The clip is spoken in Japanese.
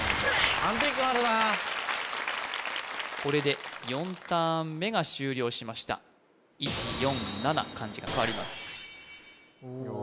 安定感あるなこれで４ターン目が終了しました１４７漢字が替わります